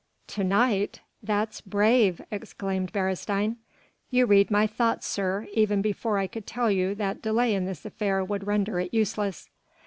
"To night! That's brave!" exclaimed Beresteyn. "You read my thoughts, sir, even before I could tell you that delay in this affair would render it useless."